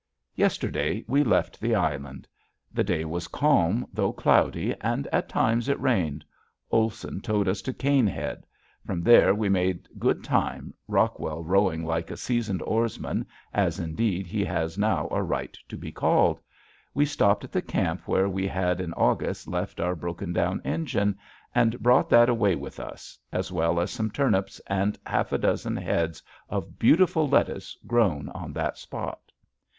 Yesterday we left the island. The day was calm though cloudy, and at times it rained. Olson towed us to Caine's Head. From there we made good time Rockwell rowing like a seasoned oarsman, as indeed he has now a right to be called. We stopped at the camp where we had in August left our broken down engine, and brought that away with us, as well as some turnips and half a dozen heads of beautiful lettuce grown on that spot.